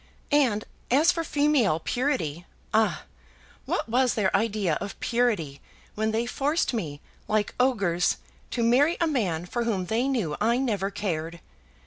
And, as for female purity! Ah! What was their idea of purity when they forced me, like ogres, to marry a man for whom they knew I never cared?